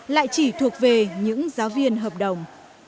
lại chỉ thuộc về những giáo viên hợp đồng